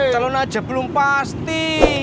calon aja belum pasti